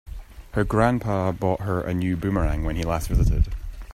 Her grandpa bought her a new boomerang when he last visited.